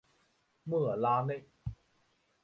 莫拉内。